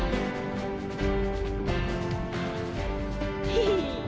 ヘヘ。